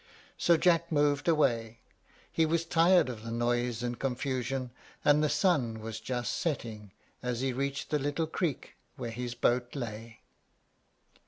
So Jack moved away. He was tired of the noise and confusion; and the sun was just setting as he reached the little creek where his boat lay.